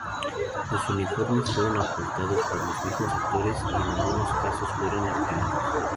Los uniformes fueron aportados por los mismo actores y en algunos casos fueron alquilados.